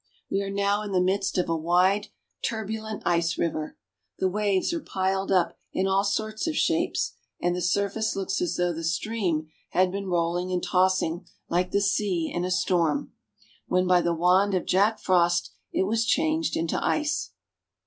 We are now in the midst of a wide, turbu lent ice river. The waves are piled up in all sorts of shapes, and the surface looks as though the stream had been rolling and tossing like the sea in a storm, when by the wand of Jack Frost it was changed into ice.